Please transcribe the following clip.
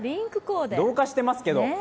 同化してますけど。